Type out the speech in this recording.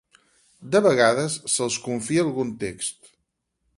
De vegades se'ls confia algun text.